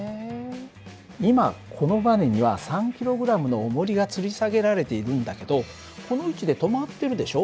今このばねには３ｋｇのおもりがつり下げられているんだけどこの位置で止まってるでしょ。